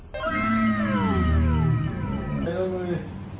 แขนหักเลย